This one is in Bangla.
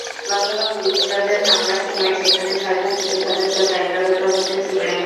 গতকাল দুর্বৃত্তদের হামলার সময় সেখানে ছয়জন পুলিশ সদস্য দায়িত্বরত অবস্থায় ছিলেন।